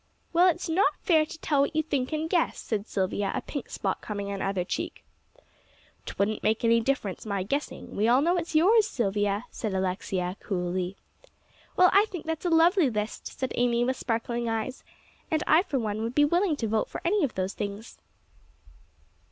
"Well, it's not fair to tell what you think and guess," said Silvia, a pink spot coming on either check. "'Twouldn't make any difference, my guessing; we all know it's yours, Silvia," said Alexia, coolly. "Well, I think that's a lovely list," said Amy, with sparkling eyes, "and I for one would be willing to vote for any of those things."